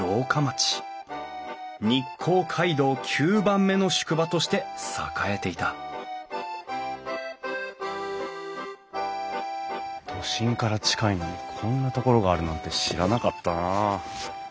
日光街道９番目の宿場として栄えていた都心から近いのにこんな所があるなんて知らなかったなあ。